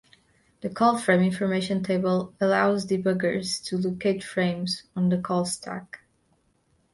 The Call Frame Information table allows debuggers to locate frames on the call stack.